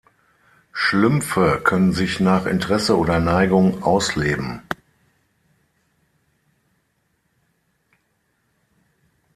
Schlümpfe können sich nach Interesse oder Neigung ausleben.